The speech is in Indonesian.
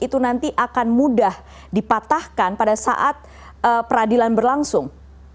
itu nanti akan mudah dipatahkan pada saat peradilan berlangsung